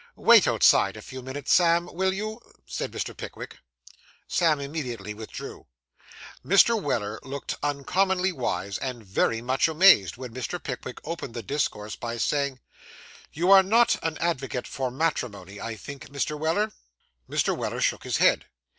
'Wait outside a few minutes, Sam, will you?' said Mr. Pickwick. Sam immediately withdrew. Mr. Weller looked uncommonly wise and very much amazed, when Mr. Pickwick opened the discourse by saying 'You are not an advocate for matrimony, I think, Mr. Weller?' Mr. Weller shook his head.